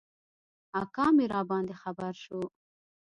اکا مي راباندي خبر شو .